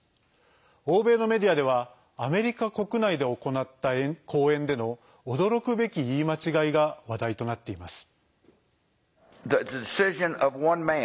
欧米のメディアではアメリカ国内で行った講演での驚くべき言い間違いが話題となっています。